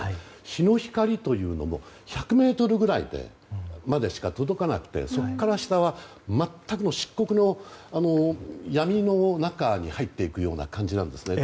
日の光というのも１００ｍくらいまでしか届かなくて、そこから下は全くの漆黒の闇の中に入っていくような感じなんです。